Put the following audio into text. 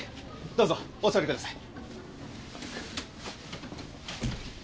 どうぞお座りください。